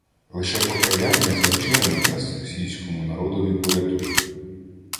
Лише Покаяння за вчинене дасть російському народові порятунок